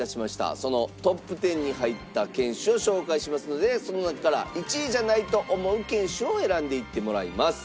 そのトップ１０に入った犬種を紹介しますのでその中から１位じゃないと思う犬種を選んでいってもらいます。